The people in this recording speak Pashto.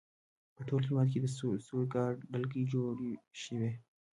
په ټول هېواد کې د سور ګارډ ډلګۍ جوړې شوې.